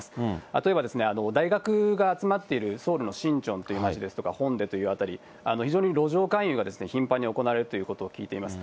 例えば、大学が集まっているソウルのシンチョンという街ですとか、ホンデという辺り、非常に路上勧誘が頻繁に行われているということを聞いています。